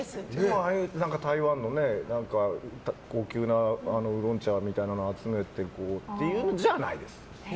ああいう台湾の高級なウーロン茶みたいなの集めてっていうのじゃないです。